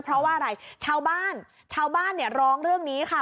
เพราะว่าอะไรชาวบ้านชาวบ้านเนี่ยร้องเรื่องนี้ค่ะ